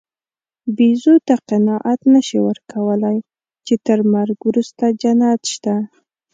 بیزو ته قناعت نهشې ورکولی، چې تر مرګ وروسته جنت شته.